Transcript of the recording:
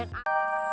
kau mau ngapain